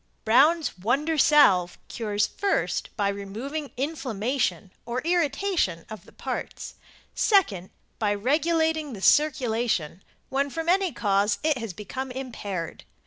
Brown's Wonder Salve cures first by removing inflammation or irritation of the parts; second by regulating the circulation when from any cause it has become impaired.